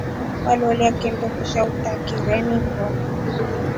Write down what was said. Kwalolia kindo kisha utakireemiefo.